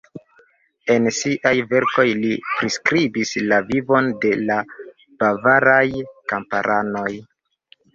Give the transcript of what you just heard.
En siaj verkoj li priskribis la vivon de la bavaraj kamparanoj.